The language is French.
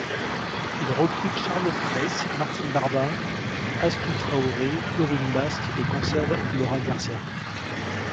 Il recrute Charlotte Preiss, Martine Barba, Astou Traoré, Florine Basque et conserve Laura García.